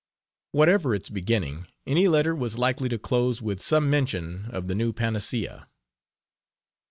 Whatever its beginning, any letter was likely to close with some mention of the new panacea.